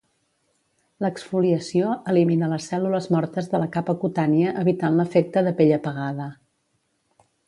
L'exfoliació elimina les cèl·lules mortes de la capa cutània evitant l'efecte de pell apagada.